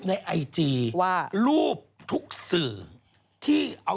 จากธนาคารกรุงเทพฯ